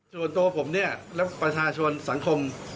ส่วนตัวผมเนี่ยและประชาชนสังคม